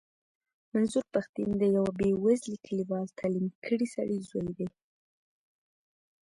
منظور پښتين د يوه بې وزلې کليوال تعليم کړي سړي زوی دی.